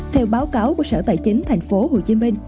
theo báo cáo của sở tài chính thành phố hồ chí minh